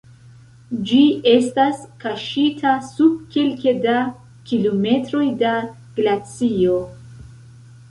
Ĝi estas kaŝita sub kelke da kilometroj da glacio.